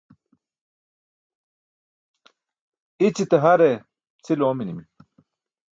iciyaṭe har e cʰil oominimi